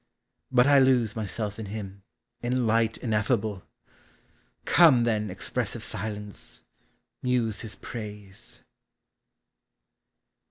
But I lose Myself in him, in Light ineffable! Come, then, expressive Silence, muse his praise.